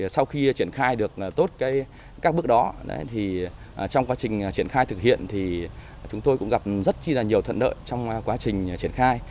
sau khi triển khai được tốt các bước đó trong quá trình triển khai thực hiện thì chúng tôi cũng gặp rất là nhiều thuận lợi trong quá trình triển khai